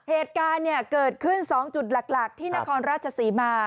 เหตุการณ์เกิดขึ้น๒จุดหลักที่นครราชศรีมา